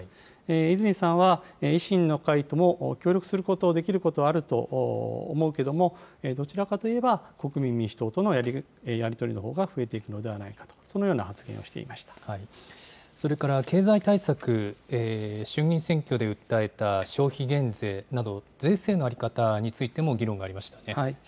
泉さんは、維新の会とも協力すること、できることはあると思うけれども、どちらかといえば、国民民主党とのやり取りのほうが増えていくんではないかと、そのようそれから、経済対策、衆議院選挙で訴えた消費減税など、税制の在り方についても議論がありま